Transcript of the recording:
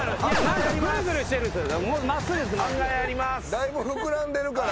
だいぶ膨らんでるから。